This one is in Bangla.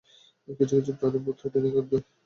কিছু কিছু প্রাণী বোধ হয় ট্রেইনিংয়ের ঊর্ধ্বে।